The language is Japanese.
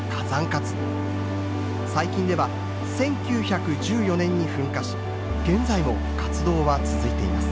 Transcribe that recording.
最近では１９１４年に噴火し現在も活動は続いています。